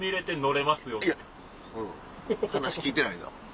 いやうん話聞いてないな。